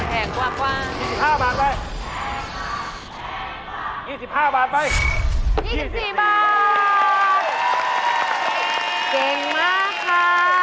กว่า๒๕บาทไป๒๕บาทไป๒๔บาทเก่งมากค่ะ